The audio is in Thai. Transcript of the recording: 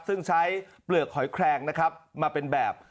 ซึ่งใช้เปลือกหอยแคลงนะครับมาเป็นแบบ